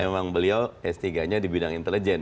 memang beliau s tiga nya di bidang intelijen